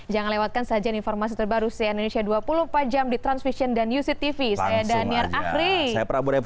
jangan lewatkan saja informasi terbaru di cnn indonesia dua puluh empat jam di transvision dan youssef tv